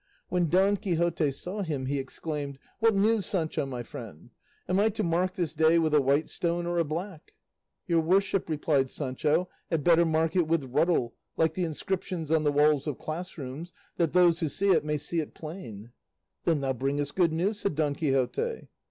When Don Quixote saw him he exclaimed, "What news, Sancho, my friend? Am I to mark this day with a white stone or a black?" "Your worship," replied Sancho, "had better mark it with ruddle, like the inscriptions on the walls of class rooms, that those who see it may see it plain." "Then thou bringest good news," said Don Quixote.